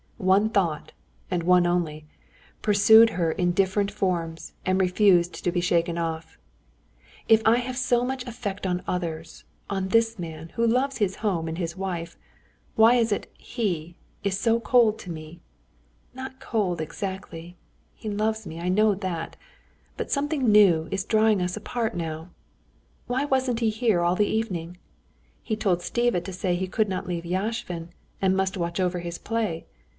One thought, and one only, pursued her in different forms, and refused to be shaken off. "If I have so much effect on others, on this man, who loves his home and his wife, why is it he is so cold to me?... not cold exactly, he loves me, I know that! But something new is drawing us apart now. Why wasn't he here all the evening? He told Stiva to say he could not leave Yashvin, and must watch over his play.